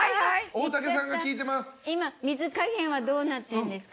大竹さんが聞いてますよ。